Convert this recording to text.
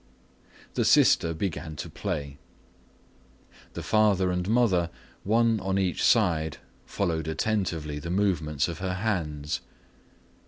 The sister began to play. The father and mother, one on each side, followed attentively the movements of her hands.